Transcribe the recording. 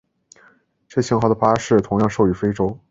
这型号的巴士同样售予非洲。